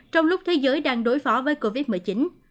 trong lúc thế giới đang đối phóng với virus covid một mươi chín